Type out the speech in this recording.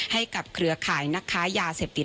ให้กับเครือขายนักค้ายาเสพติด